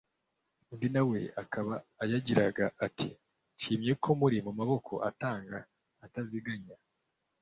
undi na we akaba yagira ati: “nshimye ko muri ba maboko atanga ataziganya”,